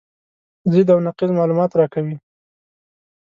ضد او نقیض معلومات راکوي.